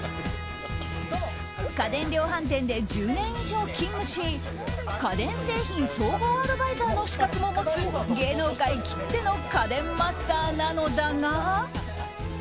家電量販店で１０年以上勤務し家電製品総合アドバイザーの資格も持つ芸能界きっての家電マスターなのだが。